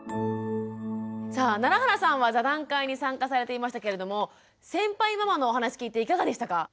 さあ楢原さんは座談会に参加されていましたけれども先輩ママのお話聞いていかがでしたか？